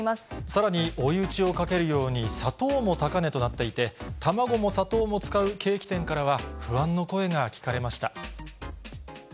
さらに、追い打ちをかけるように、砂糖も高値となっていて、卵も砂糖も使うケーキ店からは、不安の声が聞かれました。